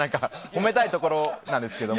褒めたいところなんですけど。